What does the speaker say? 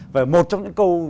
và một trong những câu